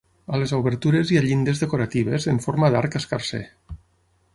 A les obertures hi ha llindes decoratives en forma d'arc escarser.